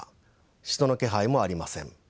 人の気配もありません。